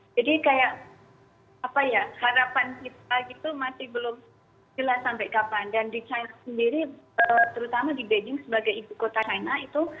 jadi kayak apa ya harapan kita gitu masih belum jelas sampai kapan dan di china sendiri terutama di beijing sebagai ibu kota china itu